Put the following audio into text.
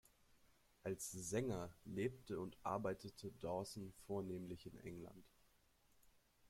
Als Sänger lebte und arbeitete Dawson vornehmlich in England.